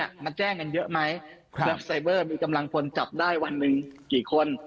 มาแจ้งกันเยอะไหมครับไซเบอร์มีกำลังพลจับได้วันหนึ่งกี่คน